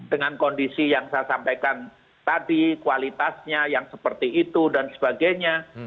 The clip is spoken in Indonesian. dengan kondisi yang saya sampaikan tadi kualitasnya yang seperti itu dan sebagainya